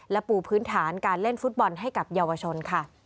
และปูพื้นฐานการเล่นฟุตบอลให้กับเยาวชนค่ะ